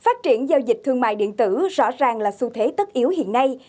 phát triển giao dịch thương mại điện tử rõ ràng là xu thế tất yếu hiện nay